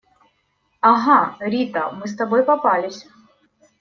Ага, Рита! Мы с тобой попались.